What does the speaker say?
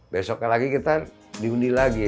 besoknya lagi kita diundi lagi